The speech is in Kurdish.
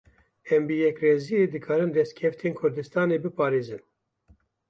Em bi yekrêziyê dikarin destkeftên Kurdistanê biparêzin.